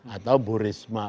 atau bu risma